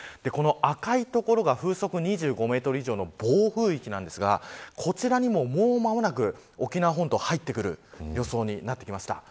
この赤い所が風速２５メートル以上の暴風域なんですがこちらにも、もう間もなく沖縄本島が入ってくる予想になってきました。